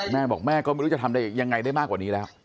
แม่บอกแม่ก็ไม่รู้จะทำได้ยังไงได้มากกว่านี้แล้ว